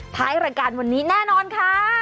ท้ายรายการวันนี้แน่นอนค่ะ